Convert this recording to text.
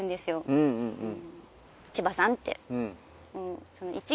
うんうんうん。